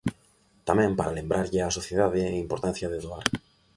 Tamén para lembrarlle á sociedade a importancia de doar.